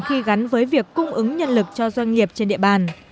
khi gắn với việc cung ứng nhân lực cho doanh nghiệp trên địa bàn